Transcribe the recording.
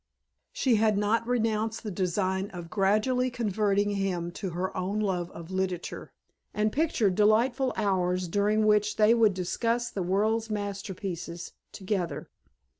She had not renounced the design of gradually converting him to her own love of literature, and pictured delightful hours during which they would discuss the world's masterpieces together.